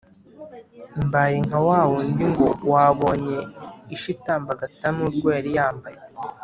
mbaye nka wa wundi ngo wabonye isha itamba agata n'urwo yari yambaye!